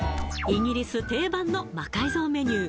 イギリス定番の魔改造メニュー